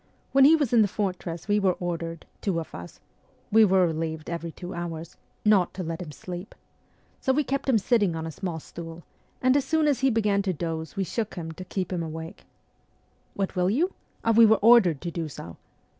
'When he was in the fortress we were ordered, two of us we were relieved every two hours not to let him sleep. So we kept him sitting on a small stool, and as soon as he began to doze we shook him to keep him awake. ... What will you ? we were ordered to do so